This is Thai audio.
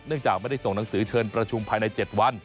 จากไม่ได้ส่งหนังสือเชิญประชุมภายใน๗วัน